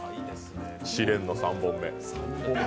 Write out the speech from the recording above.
試練の３本目。